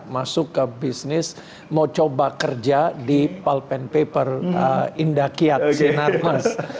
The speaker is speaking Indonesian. masuk ke bisnis mau coba kerja di pop and paper indakiak siena tegas